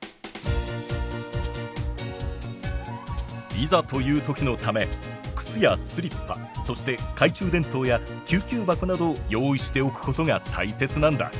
いざという時のため靴やスリッパそして懐中電灯や救急箱などを用意しておくことが大切なんだ。